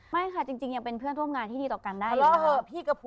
ไม่ค่ะจริงยังเป็นเพื่อนร่วมงานที่ดีต่อกันได้อยู่